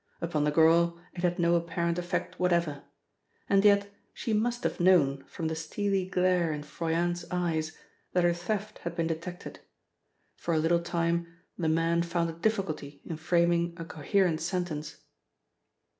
Upon the girl it had no apparent effect whatever. And yet she must have known, from the steely glare in Froyant's eyes, that her theft had been detected. For a little time the man found a difficulty in framing a coherent sentence.